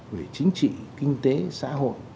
về chính trị kinh tế xã hội